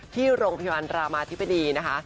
ที่โรงพยาบาลรามาธิบดีนะคะ